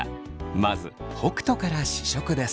まず北斗から試食です。